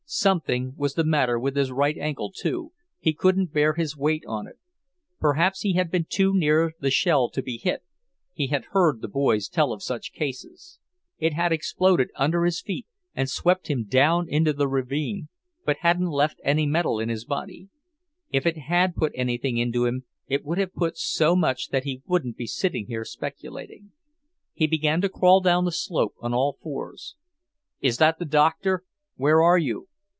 Something was the matter with his right ankle, too he couldn't bear his weight on it. Perhaps he had been too near the shell to be hit; he had heard the boys tell of such cases. It had exploded under his feet and swept him down into the ravine, but hadn't left any metal in his body. If it had put anything into him, it would have put so much that he wouldn't be sitting here speculating. He began to crawl down the slope on all fours. "Is that the Doctor? Where are you?"